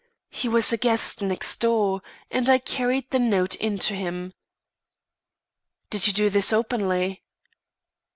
He was a guest next door, and I carried the note in to him." "Did you do this openly?"